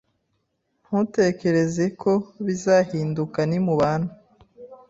ntutegereze ko bizahinduka nimubana